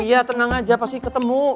iya tenang aja pasti ketemu